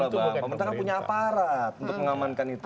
pemerintah kan punya aparat untuk mengamankan itu